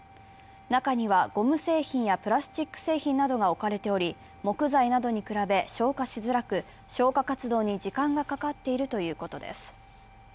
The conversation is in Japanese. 中にはゴム製品やプラスチック製品などが置かれており、木材などに比べ消火しづらく消火活動に時間がかかっているということです。